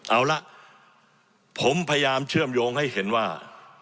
เอาละผมพยายามเชื่อมโยงให้เห็นว่า